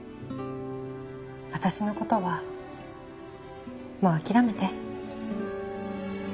私の事はもう諦めて。